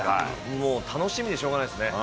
もう楽しみでしょうがないですね。